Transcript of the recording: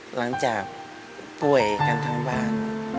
หลังจากป่วยกันทั้งบ้าน